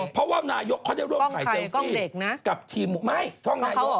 เพราะว่านายกเขาจะร่วมถ่ายเซลสีกับทีมไม่ภาพภาพเขาเหรอ